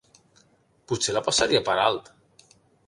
Potser la passaria per alt!